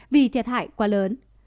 vì thiệt hại quá lớn